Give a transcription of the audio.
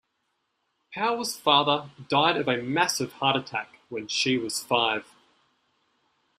Power's father died of a massive heart attack when she was five.